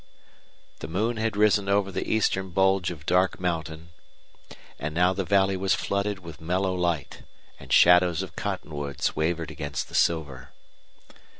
The moon had risen over the eastern bulge of dark mountain, and now the valley was flooded with mellow light, and shadows of cottonwoods wavered against the silver.